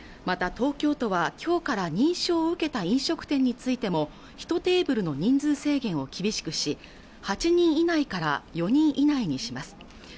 また東京都はきょうから認証を受けた飲食店についてもひとテーブルの人数制限を厳しくし８人以内から４人以内にします